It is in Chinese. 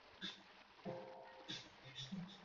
条裂鸢尾兰为兰科鸢尾兰属下的一个种。